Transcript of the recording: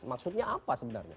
maksudnya apa sebenarnya